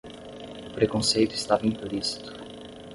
O preconceito estava implícito